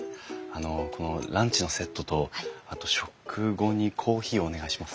あのこのランチのセットとあと食後にコーヒーをお願いします。